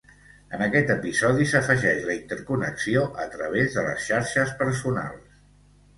En aquest episodi s’afegeix la interconnexió a través de les xarxes personals.